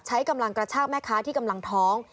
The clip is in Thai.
ใช้กำลังกระชากแม่ค้าที่กำลังท้อง